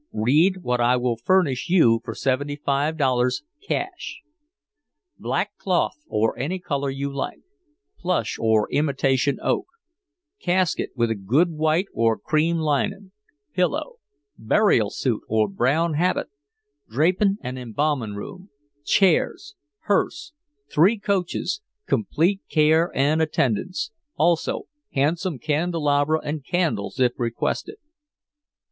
Read what I will furnish you for seventy five dollars cash. Black cloth or any color you like plush or imitation oak casket with a good white or cream lining pillow burial suit or brown habit draping and embalming room chairs hearse three coaches complete care and attendance also handsome candelabra and candles if requested.'"